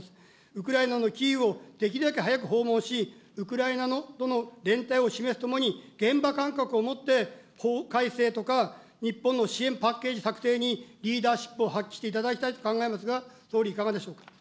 ウクライナのキーウをできるだけ早く訪問し、ウクライナとの連帯を示すとともに、現場感覚を持って、法改正とか、日本の支援パッケージ策定にリーダーシップを発揮していただきたいと考えますが、総理、いかがでしょうか。